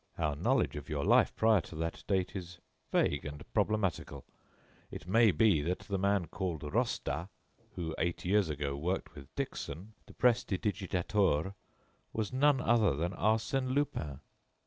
Our knowledge of your life prior to that date is vague and problematical. It may be that the man called Rostat who, eight years ago, worked with Dickson, the prestidigitator, was none other than Arsène Lupin.